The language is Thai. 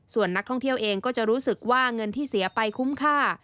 ส่วนนักท่องเที่ยวเองก็จะรู้สึกว่าเงินที่เสียไปคุ้มค่า